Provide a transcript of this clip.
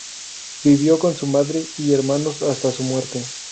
Vivió con su madre y hermanos hasta su muerte.